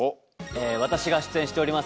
私が出演しております